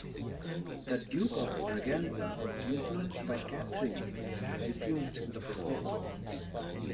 The Duke of Braganza, influenced by Catherine, refused the proposal.